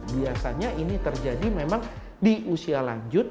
biasanya ini terjadi memang di usia lanjut